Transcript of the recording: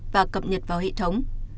và cập nhật vào hệ thống